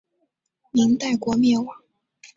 明代国灭亡。